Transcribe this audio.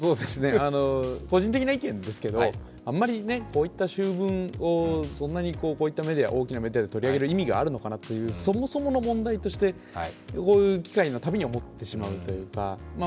個人的な意見ですけどあまりこういった醜聞をこんな大きなメディアで取り上げる意味があるのかなというそもそもの問題としてこういう機会のたびに思ってしまうというか。